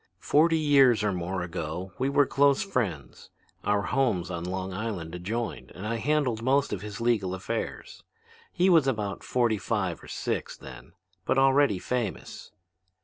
Forty years or more ago we were close friends. Our homes on Long Island adjoined and I handled most of his legal affairs. He was about forty five or six then, but already famous.